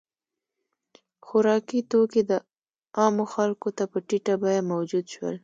• خوراکي توکي عامو خلکو ته په ټیټه بیه موجود شول.